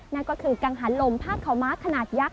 นั่นก็คือกังหันลมผ้าขาวม้าขนาดยักษ